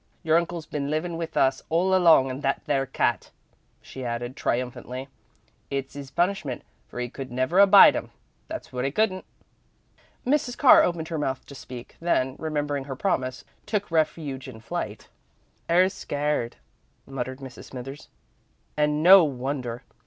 Your uncle's been livin' with us all along in that there cat," she added, triumphantly. "It's 'is punishment, for 'e couldn't never abide 'em, that's wot 'e couldn't." Mrs. Carr opened her mouth to speak, then, remembering her promise, took refuge in flight. "'Er's scared," muttered Mrs. Smithers, "and no wonder.